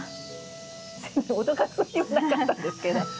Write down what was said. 脅かす気はなかったんですけど。